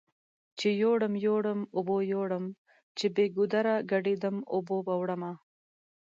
چې يوړم يوړم اوبو يوړم چې بې ګودره ګډ يدم اوبو به وړمه